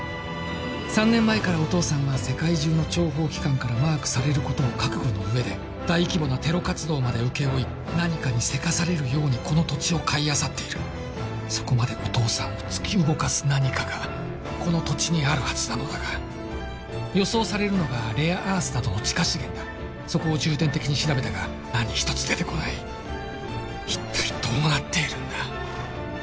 ３年前からお父さんは世界中の諜報機関からマークされることを覚悟の上で大規模なテロ活動まで請け負い何かにせかされるようにこの土地を買いあさっているそこまでお父さんを突き動かす何かがこの土地にあるはずなのだが予想されるのがレアアースなどの地下資源だそこを重点的に調べたが何一つ出てこない一体どうなっているんだ？